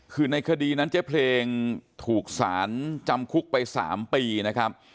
คือในคดีนั้นเจ๊เพลงถูกสารจำคุกไป๓ปีนะครับ